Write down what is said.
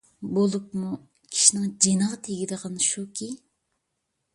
بولۇپمۇ كىشىنىڭ جېنىغا تېگىدىغىنى شۇكى،